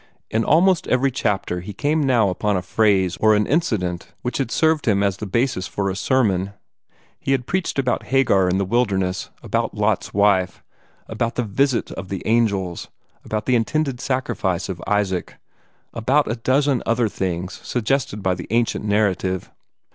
In almost every chapter he came now upon a phrase or an incident which had served him as the basis for a sermon. He had preached about Hagar in the wilderness, about Lot's wife, about the visit of the angels, about the intended sacrifice of Isaac, about a dozen other things suggested by the ancient narrative.